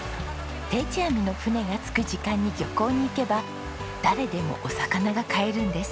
定置網の船が着く時間に漁港に行けば誰でもお魚が買えるんです。